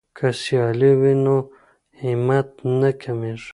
که سیالي وي نو همت نه کمیږي.